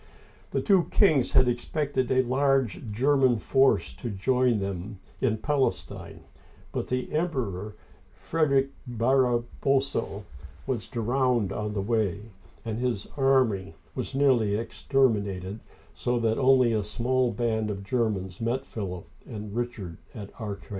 The two kings had expected a large German force to join them in Palestine, but the Emperor, Frederick Bar baros'sa, was drowned on the way, and his army was nearly exterminated, so that only a small band of Germans met Philip and Richard at Acre.